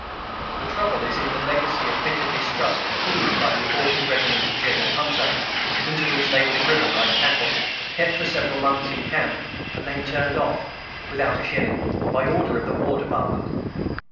The trouble is in the legacy of bitter distrust bequeathed by the abortive regiment of General Hunter, into which they were driven like cattle, kept for several months in camp, and then turned off without a shilling, by order of the War Department.